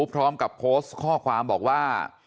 พร้อมกับโพสต์ข้อความบอกว่า